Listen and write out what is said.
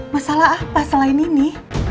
masalah apa selain ini